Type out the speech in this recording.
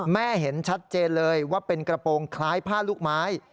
เห็นชัดเจนเลยว่าเป็นกระโปรงคล้ายผ้าลูกไม้